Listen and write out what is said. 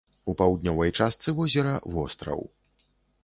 У паўднёвай частцы возера востраў.